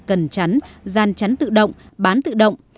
cần chắn gian chắn tự động bán tự động